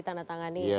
setelah pari purna